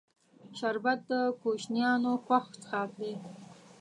شربت د کوشنیانو خوښ څښاک دی